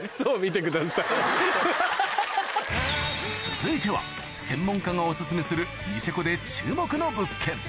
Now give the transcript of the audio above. ・続いては専門家がオススメするニセコで注目の物件